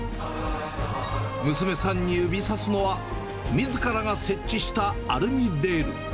娘さんに指さすのは、みずからが設置したアルミレール。